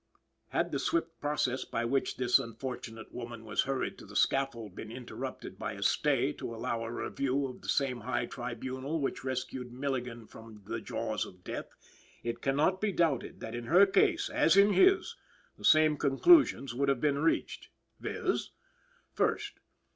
Had the swift process by which this unfortunate woman was hurried to the scaffold been interrupted by a stay to allow a review by the same high tribunal which rescued Milligan from the jaws of death, it cannot be doubted that in her case, as in his, the same conclusions would have been reached, viz.: 1st.